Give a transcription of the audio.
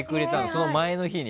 その前の日に。